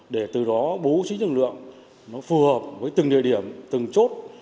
để từ đó bố trí lực lượng phù hợp với từng địa điểm từng chốt